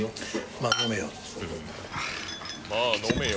「まぁ飲めよ」。